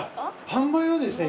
販売はですね